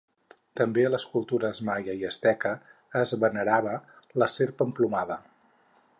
També a les cultures maia i asteca es venerava la serp emplomada.